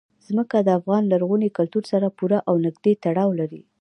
ځمکه د افغان لرغوني کلتور سره پوره او نږدې تړاو لري.